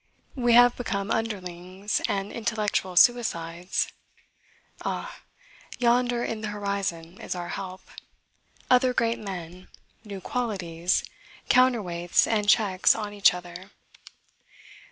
We have become underlings and intellectual suicides. Ah! yonder in the horizon is our help: other great men, new qualities, counterweights and checks on each other.